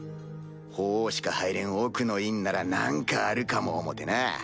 法皇しか入れん奥の院なら何かあるかも思てな。